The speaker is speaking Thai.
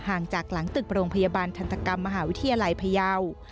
ห่างจากหลังตึกโรงพยาบาลทันตกรรมมหาวิทยาลัยพยาว